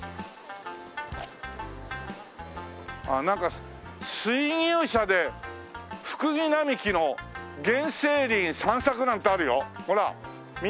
ああなんか「水牛車でフクギ並木の原生林散策」なんてあるよ。